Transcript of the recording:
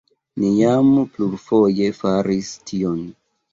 Ni jam plurfoje faris tion.